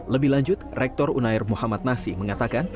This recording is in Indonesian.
lebih lanjut rektor unair muhammad nasi mengatakan